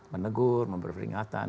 menegur memberi peringatan